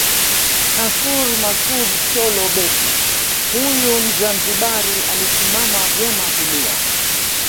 Nassor Masoud Chollo Beki huyu Mzanzibari alisimama vyema kulia